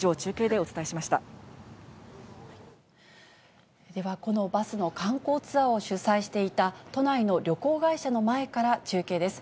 では、このバスの観光ツアーを主催していた、都内の旅行会社の前から中継です。